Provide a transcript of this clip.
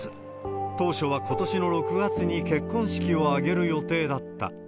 当初はことしの６月に結婚式を挙げる予定だった。